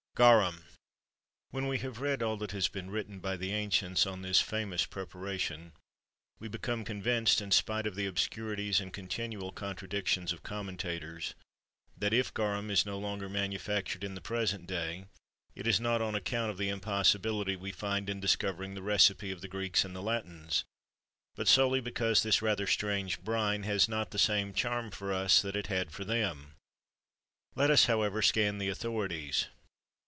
GARUM. When we have read all that has been written by the ancients on this famous preparation, we become convinced, in spite of the obscurities and continual contradictions of commentators, that if garum is no longer manufactured in the present day, it is not on account of the impossibility we find in discovering the recipe of the Greeks and Latins, but solely because this rather strange brine has not the same charm for us that it had for them. Let us, however, scan the authorities.